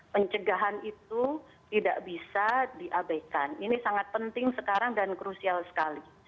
pencegahan itu tidak bisa diabaikan ini sangat penting sekarang dan krusial sekali